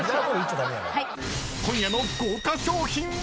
［今夜の豪華賞品は⁉］